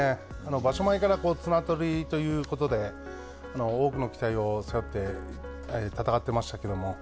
場所前から綱とりということで、多くの期待を背負って、戦ってましたけども。